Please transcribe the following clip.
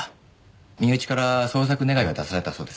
身内から捜索願が出されたそうです。